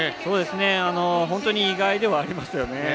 本当に意外ではありますよね。